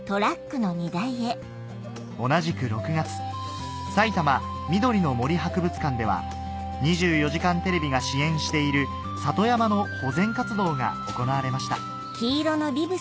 同じく６月さいたま緑の森博物館では『２４時間テレビ』が支援している里山の保全活動が行われました